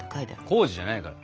「康史」じゃないから。